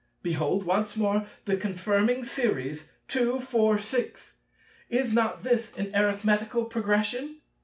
Behold once more the confirming Series, 2, 4, 6: is not this an Arithmetical Progression?